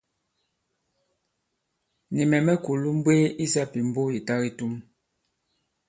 Nì mɛ̀ mɛ̀ kulū m̀mbwee i sāpìmbo ì ta kitum.